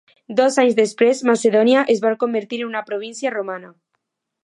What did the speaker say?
Dos anys després, Macedònia es va convertir en una província romana.